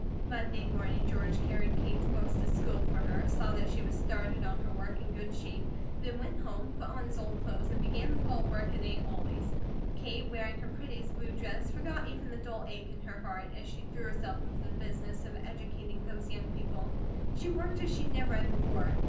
Monday morning George carried Kate's books to school for her, saw that she was started on her work in good shape, then went home, put on his old clothes, and began the fall work at Aunt Ollie's. Kate, wearing her prettiest blue dress, forgot even the dull ache in her heart, as she threw herself into the business of educating those young people. She worked as she never had before.